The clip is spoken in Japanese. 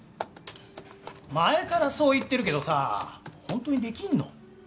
前からそう言ってるけどさ本当にできるの？